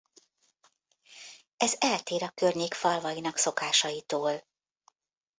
Ez eltér a környék falvainak szokásaitól.